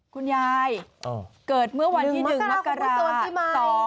คุณยายเกิดเมื่อวันที่๑มกรา๒๔๕๗